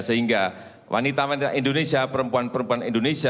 sehingga wanita wanita indonesia perempuan perempuan indonesia